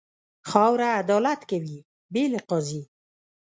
خاوره عدالت کوي، بې له قاضي.